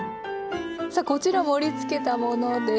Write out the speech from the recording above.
さあこちら盛りつけたものです。